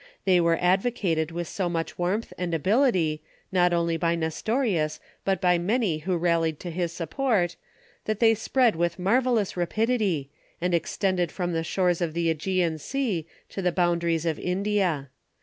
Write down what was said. They were advocated with so much warmth and ability, not only by Nestorius, but by many who rallied to his support, that they spread with marvellous ra pidity, and extended from the shores of the iEgean Sea to the boundaries of India.